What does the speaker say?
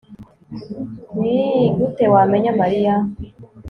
nigute wamenye mariya